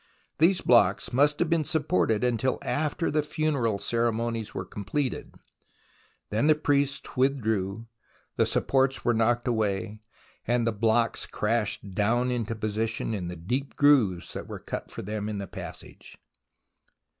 These blocks must have been sup ported until after the funeral ceremonies were completed ; then the priests withdrew, the supports were knocked away, and the blocks crashed down into position in the deep grooves that were cut for them in the passage.